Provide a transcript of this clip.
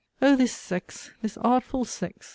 O this sex! this artful sex!